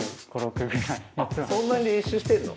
そんなに練習してんの？